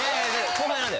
後輩なんで。